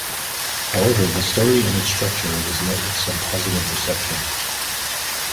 However, the story and its structure was met with some positive reception.